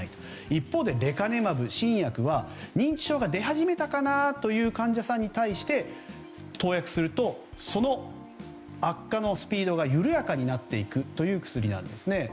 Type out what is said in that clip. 一方でレカネマブは認知症が出始めたかなという患者さんに対して投薬するとその悪化のスピードが緩やかになっていくという薬なんですね。